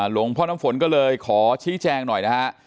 น้ำฝนก็เลยขอชี้แจงหน่อยนะฮะ